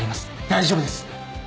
大丈夫です。